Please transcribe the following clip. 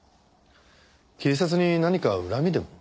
警察に何か恨みでも？